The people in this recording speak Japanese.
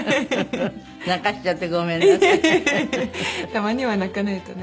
たまには泣かないとね。